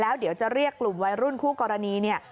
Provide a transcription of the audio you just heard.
แล้วเดี๋ยวจะเรียกกลุ่มวัยรุ่นคู่กรณีเนี่ย